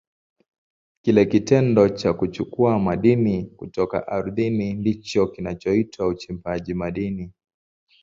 Kile kitendo cha kuchukua madini kutoka ardhini ndicho kinachoitwa uchimbaji madini.